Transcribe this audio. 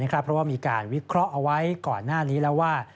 เพราะว่ามีการวิเคราะห์เอาไว้ก่อนหน้านี้แล้วว่า